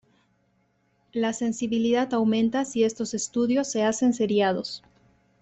La sensibilidad aumenta si estos estudios se hacen seriados.